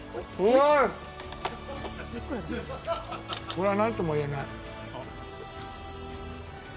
これはなんとも言えない。